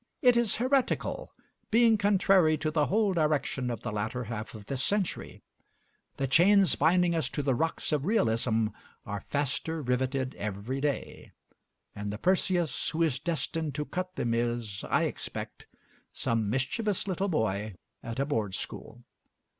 It is heretical, being contrary to the whole direction of the latter half of this century. The chains binding us to the rocks of realism are faster riveted every day; and the Perseus who is destined to cut them is, I expect, some mischievous little boy at a Board school.